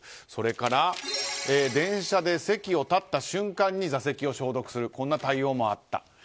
それから電車で席を立った瞬間に座席を消毒するという対応もあった。